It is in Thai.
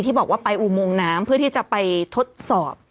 บอกว่าไปอุโมงน้ำเพื่อที่จะไปทดสอบ